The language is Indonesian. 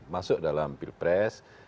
masuk dalam pilpres